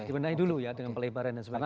dibenahi dulu ya dengan pelebaran dan sebagainya